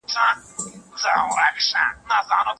څنګه به هیری کړم ماشومي او زلمۍ ورځي مي